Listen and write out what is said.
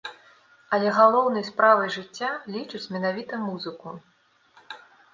Але галоўнай справай жыцця лічыць менавіта музыку.